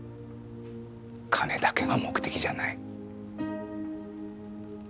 金だけが目的じゃない。